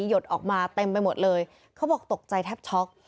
หดออกมาเต็มไปหมดเลยเขาบอกตกใจแทบช็อก